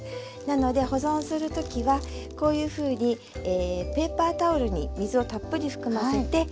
なので保存する時はこういうふうにペーパータオルに水をたっぷり含ませてれんこんを包む。